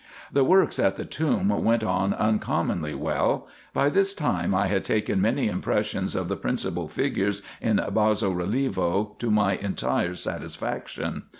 The works at the tomb went on uncommonly well. By this time I had taken many impressions of the principal figures in basso relievo to my entire satisfaction.